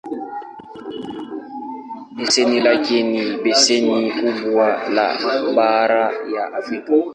Beseni lake ni beseni kubwa le bara la Afrika.